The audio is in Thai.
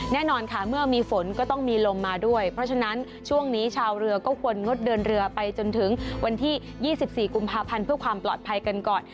แน่นอนค่ะเมื่อมีฝนก็ต้องมีลมมาด้วยเพราะฉะนั้นช่วงนี้ชาวเรือก็ควรงดเดินเรือไปจนถึงวันที่๒๔กุมภาพันธ์เพื่อความปลอดภัยกันก่อน